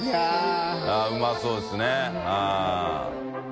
あっうまそうですね。